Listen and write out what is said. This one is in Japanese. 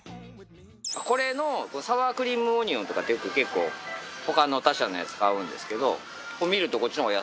これのサワークリームオニオンとか結構他の他社のやつ買うんですけど。